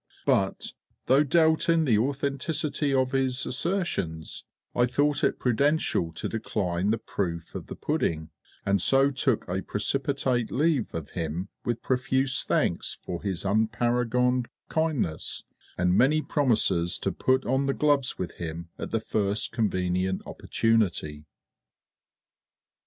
But, though doubting the authenticity of his assertions, I thought it prudential to decline the proof of the pudding, and so took a precipitate leave of him with profuse thanks for his unparagoned kindness, and many promises to put on the gloves with him at the first convenient opportunity.